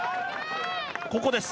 ここです